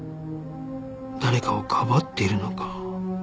誰かをかばっているのか？